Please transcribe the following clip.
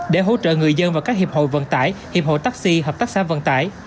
để hỗ trợ người dân và các hiệp hội vận tải hiệp hội taxi hợp tác xã vận tải